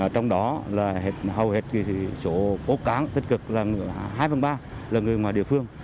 trong đó là hầu hết số cố cán tích cực là hai phần ba là người ngoài địa phương